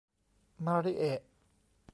มาริเอะ